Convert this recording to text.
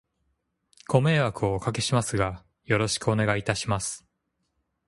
ご迷惑をお掛けしますが、よろしくお願いいたします。